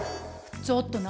ちょっと何？